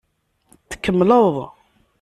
Tkemmleḍ.